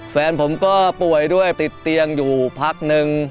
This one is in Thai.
แฟนผมก็ป่วยด้วยติดเตียงอยู่พักนึง